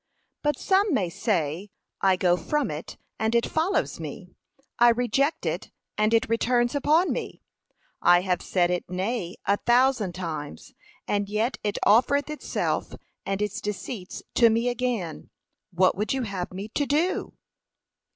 But some may say, I go from it and it follows me; I reject it and it returns upon me; I have said it nay, a thousand times, and yet it offereth itself and its deceits to me again, what would you have me do?